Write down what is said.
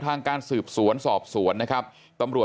จังหวัดสุราชธานี